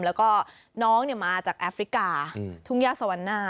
แล้วก็น้องมาจากแอฟริกาทุ่งย่าสวรรณา